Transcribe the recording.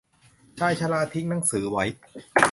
ชายชราทิ้งหนังสือไว้